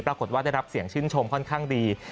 ปรากฏว่าได้รับเสียงชื่นชมค่อนข้างดี